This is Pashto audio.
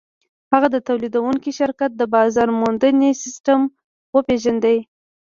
هغه د تولیدوونکي شرکت د بازار موندنې سیسټم وپېژند